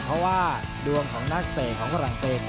เพราะว่าดวงของนักเปรย์ของฝรั่งเตรศ